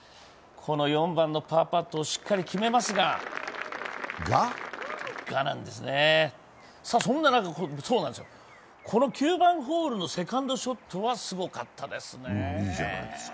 この４番のパーパットをしっかり決めますが、そんな中、この９番ホールのセカンドショットはすごかったですね。